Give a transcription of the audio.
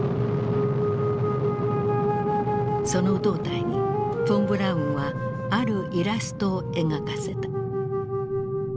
その胴体にフォン・ブラウンはあるイラストを描かせた。